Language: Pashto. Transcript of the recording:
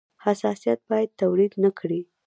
حساسیت باید تولید نه کړي.